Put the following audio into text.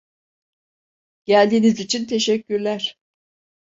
Geldiğiniz için teşekkürler.